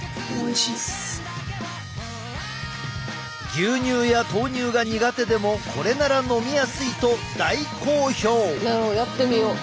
牛乳や豆乳が苦手でもこれなら飲みやすいと大好評！